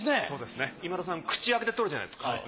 そうですね今田さん口開けて撮るじゃないですか。